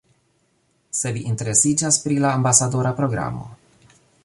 Se vi interesiĝas pri la ambasadora programo